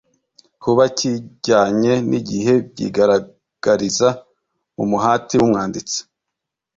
kuba kijyanye n’igihe byigaragariza mu muhati w’umwanditsi